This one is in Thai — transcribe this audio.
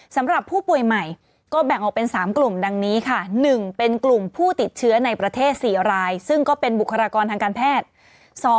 สำหรับผู้ป่วยใหม่ก็แบ่งออกเป็น๓กลุ่มดังนี้ค่ะ๑เป็นกลุ่มผู้ติดเชื้อในประเทศ๔รายซึ่งก็เป็นบุคลากรทางการแพทย์